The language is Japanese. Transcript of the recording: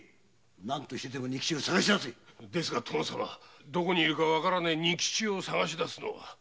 なんとか仁吉を捜し出せですがどこにいるか分からぬ仁吉を捜し出すのは？